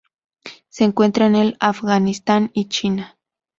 Se encuentra en el Afganistán y China.